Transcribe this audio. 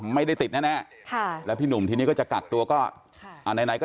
ไม่ได้ติดแน่แล้วพี่หนุ่มที่นี่ก็จะกักตัวก็